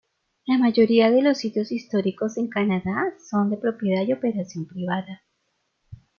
La mayoría de los sitios históricos en Canadá son de propiedad y operación privada.